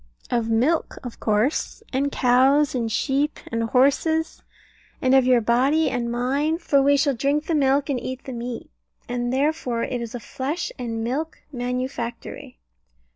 Of milk of course, and cows, and sheep, and horses; and of your body and mine for we shall drink the milk and eat the meat. And therefore it is a flesh and milk manufactory.